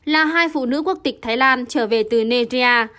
là hai phụ nữ quốc tịch thái lan trở về từ negia